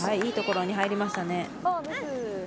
いいところに入りましたね。